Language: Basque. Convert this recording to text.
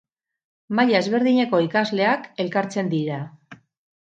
Maila ezberdineko ikasleak elkartzen dira.